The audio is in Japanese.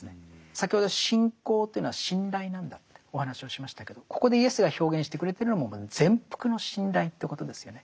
先ほど信仰というのは信頼なんだってお話をしましたけどここでイエスが表現してくれてるのも全幅の信頼ということですよね。